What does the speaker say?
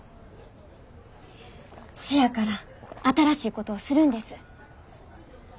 せやから新しいことをするんです。